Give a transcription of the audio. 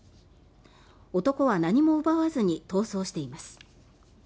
男は何も奪わずに逃走しています。